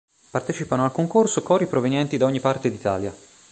Partecipano al concorso cori provenienti da ogni parte d'Italia.